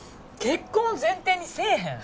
結婚を前提にせえへん？